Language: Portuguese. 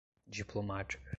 diplomática